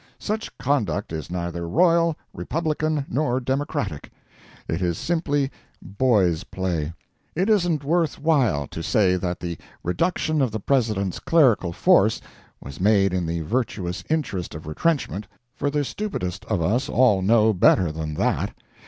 Such conduct is neither royal, republican, nor democratic; it is simply boys' play. It isn't worthwhile to say that the reduction of the President's clerical force was made in the virtuous interest of retrenchment, for the stupidest of us all know better than that.